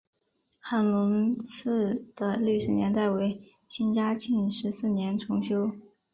韩泷祠的历史年代为清嘉庆十四年重修。